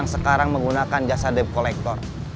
sekarang menggunakan jasa debt collector